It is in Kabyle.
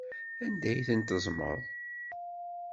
Anda ay ten-teẓẓmeḍ?